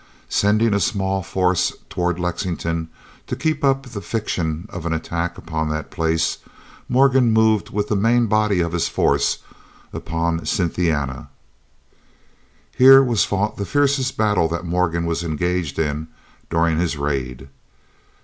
Sending a small force toward Lexington to keep up the fiction of an attack upon that place, Morgan moved with the main body of his force upon Cynthiana. Here was fought the fiercest battle that Morgan was engaged in during his raid.